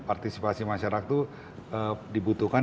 partisipasi masyarakat itu dibutuhkan